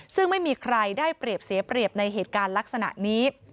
ซึ่งไม่มีใครได้เปรียบเสียเปรียบในเหตุการณ์ลักษณะนี้